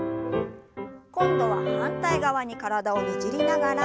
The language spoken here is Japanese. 今度は反対側に体をねじりながら。